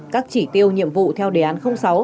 các chỉ tiêu nhiệm vụ theo đề án sáu